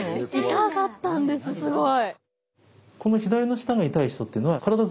痛かったんですすごい。